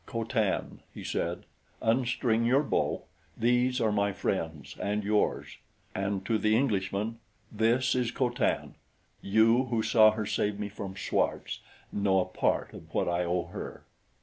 "Co Tan," he said, "unstring your bow these are my friends, and yours." And to the Englishmen: "This is Co Tan. You who saw her save me from Schwartz know a part of what I owe her."